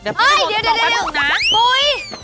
เอ้ยเดี๋ยวปุ๊ย